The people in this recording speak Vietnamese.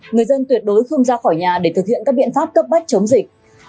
người dân tuyệt đối không ra khỏi nhà để thực hiện các biện pháp cấp bách chống dịch